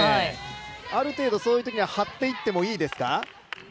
ある程度そういうときは張っていってもいいですか？